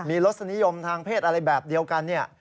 มีลสนิยมทางเพศอะไรแบบเดียวกัน